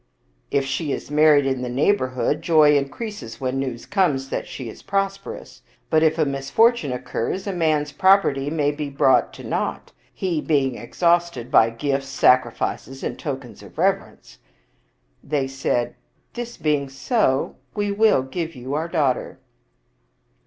" If she is married in the neighborhood, joy increases when news comes that she is prosperous; but if a misfor tune occurs, a man's property may be brought to naught, he being exhausted by gifts, sacrifices, and tokens of rev erence." They said, " This being so, we will give our daughter."